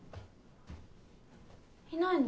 いないの？